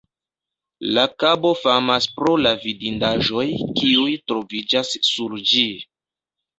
La kabo famas pro la vidindaĵoj, kiuj troviĝas sur ĝi.